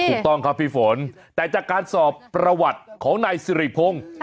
ถูกต้องครับพี่ฝนแต่จากการสอบประวัติของนายสิริพงศ์